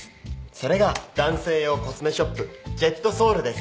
それが男性用コスメショップＪＥＴＳＯＵＬです。